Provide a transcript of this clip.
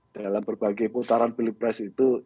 dalam berbagai putaran pilpres itu